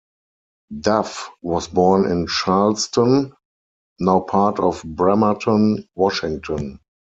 Duff was born in Charleston, now part of Bremerton, Washington.